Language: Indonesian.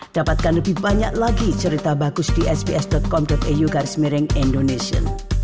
dapatkan lebih banyak lagi cerita bagus di sps com eu garis miring indonesia